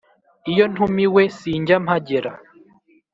iyo ntumiwe sinjya mpagera